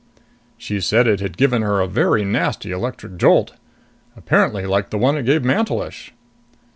"She said it had given her a very nasty electric jolt. Apparently like the one it gave Mantelish."